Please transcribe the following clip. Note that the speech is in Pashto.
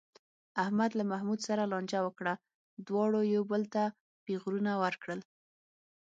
احمد له محمود سره لانجه وکړه، دواړو یو بل ته پېغورونه ورکړل.